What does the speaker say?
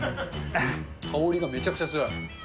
香りがめちゃくちゃ強い。